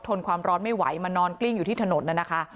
ความร้อนไม่ไหวมานอนกลิ้งอยู่ที่ถนนน่ะนะคะ